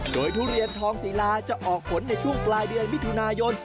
โดยทุเรียนทองศรีลาจะออกผลในช่วงปลายเดือนมิถุนายน